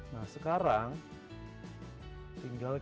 nah sekarang tinggal kita potongnya di atasnya